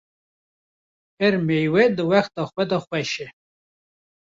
Her meywe di wexta xwe de xweş e